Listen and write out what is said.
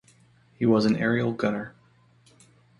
He was an aerial gunner.